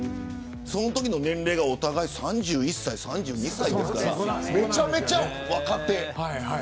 そのときの年齢がお互いに３１歳と３２歳ですからめちゃくちゃ若手。